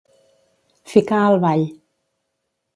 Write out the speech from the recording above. Ficar al ball.